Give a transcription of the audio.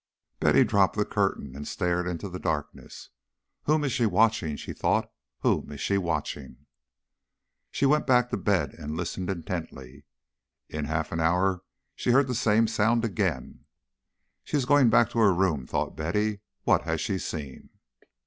Betty dropped the curtain and stared into the darkness. "Whom is she watching?" she thought. "Whom is she watching?" She went back to bed and listened intently. In half an hour she heard the same sound again. "She is going back to her room," thought Betty. "What has she seen?"